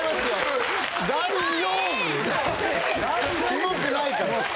・キモくないから。